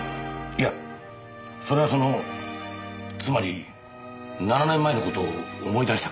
いやそれはそのつまり７年前の事を思い出したからで。